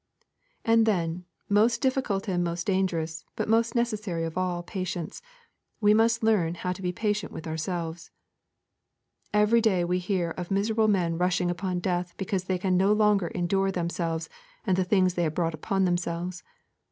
And then, most difficult and most dangerous, but most necessary of all patience, we must learn how to be patient with ourselves. Every day we hear of miserable men rushing upon death because they can no longer endure themselves and the things they have brought on themselves.